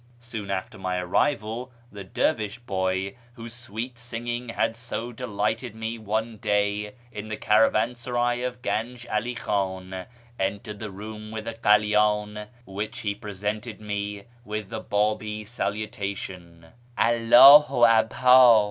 Soon after my arrival the dervish boy, whose sweet singing had so delighted me one day in the caravansaray of Ganj 'All Khan, entered the room with a halydn, which he presented to me with the Babi salutation, " Alldhu Abhd."